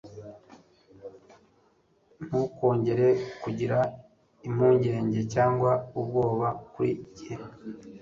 ntukongere kugira impungenge cyangwa ubwoba kuri njye